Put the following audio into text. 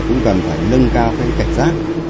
thì cũng cần phải nâng cao cái cảnh giác